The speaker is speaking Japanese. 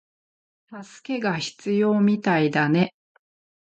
助けが必要みたいだね